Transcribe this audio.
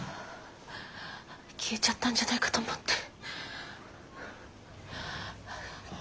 消えちゃったんじゃないかと思って。